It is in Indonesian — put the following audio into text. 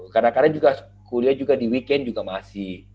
kadang kadang juga kuliah juga di weekend juga masih